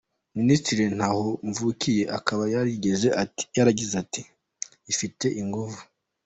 Minisitiri Ntahomvukiye akaba yaragize ati:” Ifite ingufu.